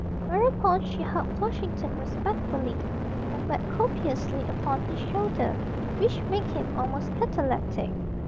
Whereupon she hugged Flushington respectfully, and wept copiously upon his shoulder, which made him almost cataleptic.